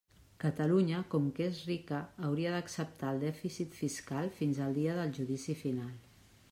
Catalunya, com que és rica, hauria d'acceptar el dèficit fiscal fins al dia del judici final.